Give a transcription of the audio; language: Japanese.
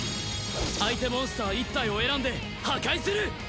相手モンスター１体を選んで破壊する！